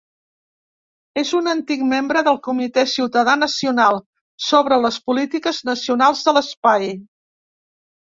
És un antic membre del Comitè Ciutadà Nacional sobre les Polítiques Nacionals de l'Espai.